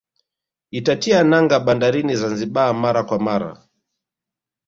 Itatia nanga bandarini Zanzibar mara kwa mara